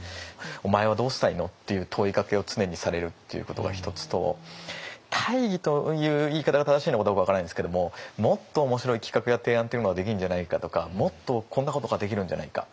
「お前はどうしたいの？」っていう問いかけを常にされるっていうことが一つと大義という言い方が正しいのかどうか分からないんですけどももっと面白い企画や提案っていうのができるんじゃないかとかもっとこんなことができるんじゃないか。